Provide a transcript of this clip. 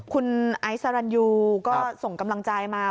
คุณไอซ์สรรยูก็ส่งกำลังใจมา